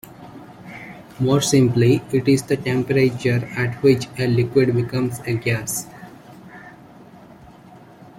More simply, it is the temperature at which a liquid becomes a gas.